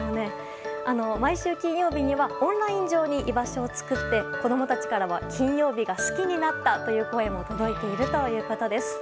毎週金曜日にはオンライン上に居場所を作って子供たちからは金曜日が好きになったという声も届いているということです。